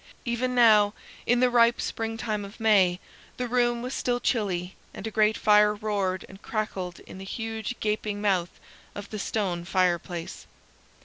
Even now, in the ripe springtime of May, the room was still chilly, and a great fire roared and crackled in the huge gaping mouth of the stone fireplace.